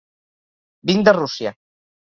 Vinc de Rússia.